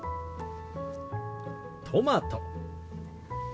トマト。